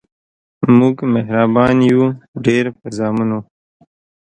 مونږ مهربان یو ډیر په زامنو